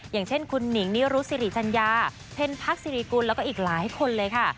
อย่างเช่นคุณหนิงนิรุสิริจัญญาเพ็ญพักศิริกุลแล้วก็อีกหลายคนเลยค่ะ